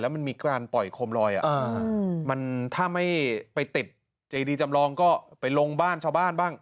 มันมีการปล่อยโคมลอยมันถ้าไม่ไปติดเจดีจำลองก็ไปลงบ้านชาวบ้านบ้าง